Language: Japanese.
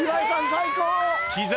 最高！